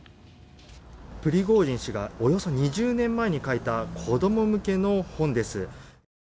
プリゴジン氏がおよそ２０年前に描いた子ども向けの本です。